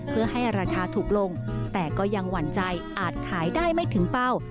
เพื่อให้ราคาถูกลงแต่ก็ยังหวั่นใจอาจขายได้ไม่ถึงเป้า